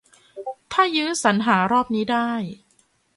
ถ้ายื้อสรรหารอบนี้ได้